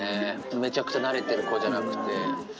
めちゃくちゃなれてる子じゃなくて。